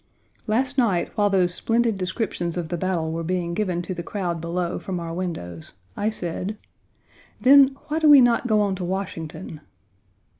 Last night, while those splendid descriptions of the battle were being given to the crowd below from our windows, I said: "Then, why do we not go on to Washington?"